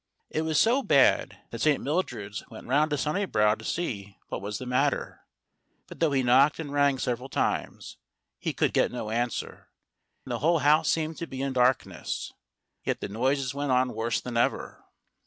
It was so bad that St. Mildred's went SUNNIBROW 137 round to Sunnibrow to see what was the matter; but though he knocked and rang several times, he could get no answer, and the whole house seemed to be in darkness. Yet the noises went on worse than ever.